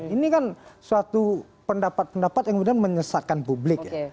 ini kan suatu pendapat pendapat yang kemudian menyesatkan publik ya